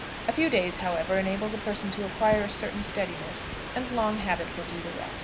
A few days, however, enables a person to acquire a certain steadiness, and long habit will do the rest."